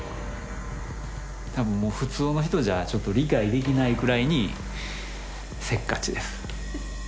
多分もう普通の人じゃちょっと理解できないくらいにせっかちです。